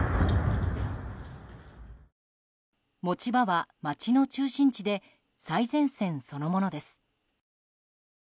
持ち場は、街の中心地で最前線そのものです。